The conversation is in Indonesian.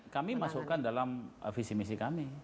kami masukkan dalam visi misi kami